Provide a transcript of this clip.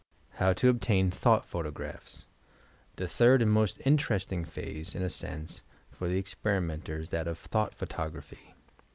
yOUR PSYCHIC POWERS HOW TO OBTAIN THODOHT PHOTOOaAPHS The third and most interesting phase, in a sense, for the esperimenter is that of "Thought Photography."